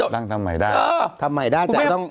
นั่งทำใหม่ได้ทำใหม่ได้แต่ต้อง